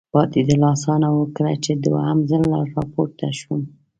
پاتېدل اسانه و، کله چې دوهم ځل را پورته شوم.